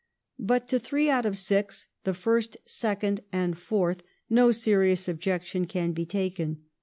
But to three out of the six, the first, second, and fourth, no serious objection can be taken.